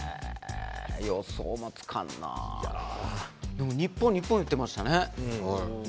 でも「日本日本」言ってましたね。